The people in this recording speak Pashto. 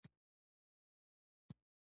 او راویې غورځوې.